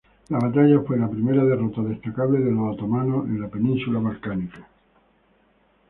La batalla fue la primera derrota destacable de los otomanos en la península balcánica.